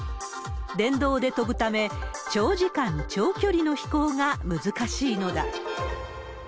電動で飛ぶため、長時間、長距離の飛行が難しいのだ。